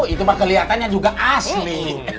itu kelihatannya juga asli